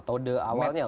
metode awalnya lah ya